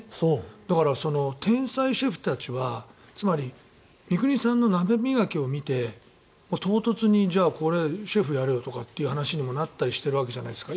だから、その天才シェフたちはつまり、三國さんの鍋磨きを見て唐突にじゃあこれシェフやれよとかっていう話にもなっているわけじゃないですか。